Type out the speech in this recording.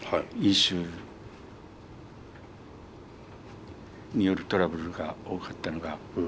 飲酒によるトラブルが多かったのが。